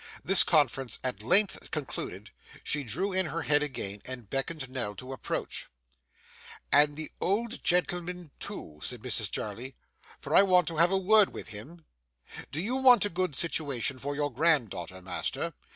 This conference at length concluded, she drew in her head again, and beckoned Nell to approach. 'And the old gentleman too,' said Mrs Jarley; 'for I want to have a word with him. Do you want a good situation for your grand daughter, master?